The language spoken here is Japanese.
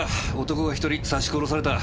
男が１人刺し殺された。